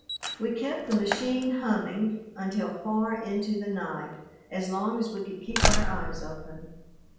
We kept the machine humming until far into the night, as long as we could keep our eyes open.